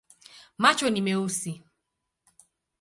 Macho ni meusi.